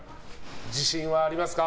自信はありますか？